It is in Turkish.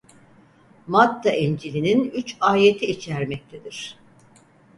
Matta İncili'nin üç ayeti içermektedir.